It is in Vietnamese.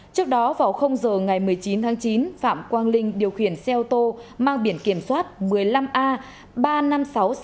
trước đó vào giờ ngày một mươi chín tháng chín phạm quang linh điều khiển xe ô tô mang biển kiểm soát một mươi năm a ba mươi năm nghìn sáu trăm sáu mươi